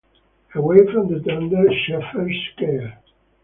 Away from the tender Shepherd's care.